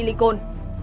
nó đầy lên